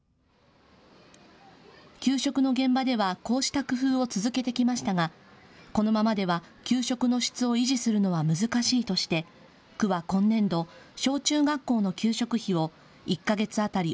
給食の現場ではこうした工夫を続けてきましたが、このままでは給食の質を維持するのは難しいとして、区は今年度、小中学校の給食費を１か月当たり